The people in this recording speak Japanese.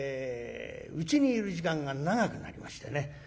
うちにいる時間が長くなりましてね